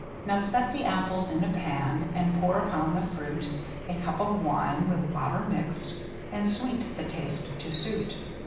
Now set the apples in a pan, And pour upon the fruit A cup of wine — with water mixed — And sweet, the taste to suit.